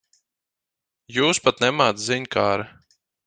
Jūs pat nemāc ziņkāre.